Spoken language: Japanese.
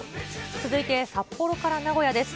続いて札幌から名古屋です。